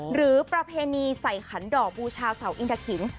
ประเพณีใส่ขันดอกบูชาเสาอินทะขิน